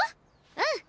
うん！